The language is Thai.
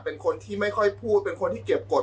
เป็นคนที่ไม่ค่อยพูดเป็นคนที่เก็บกฎ